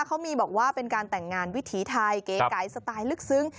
เขามีบอกว่าเป็นการแต่งงานวิถีไทยเก๋ไก่สไตล์ลึกซึ้ง